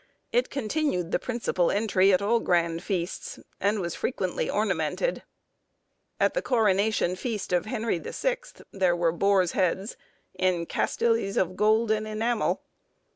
It continued the principal entry at all grand feasts, and was frequently ornamented. At the coronation feast of Henry the Sixth there were boars' heads in "castellys of golde and enamell."